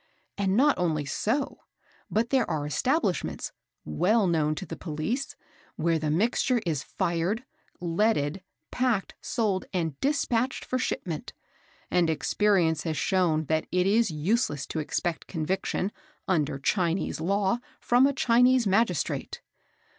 And not only so, but there are establishments, well known to the police, where the mixture is fired, leaded, packed, sold, and dispatched for shipment; and experience has shown that it is useless to expect conviction, under Chinese law, from a Chinese magistrate."